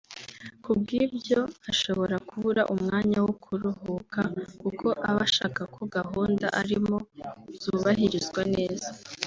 ku bw’ibyo ashobora kubura umwanya wo kuruhuka kuko aba ashaka ko gahunda arimo zubahirizwa neza